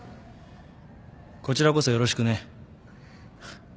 こちらこそよろしくね。